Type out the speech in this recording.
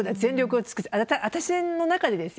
私の中でですよ。